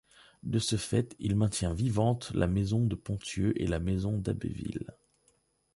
De ce fait, il maintint vivantes la maison de Ponthieu et la maison d'Abbeville.